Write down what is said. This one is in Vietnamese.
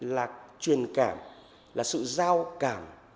là truyền cảm là sự giao cảm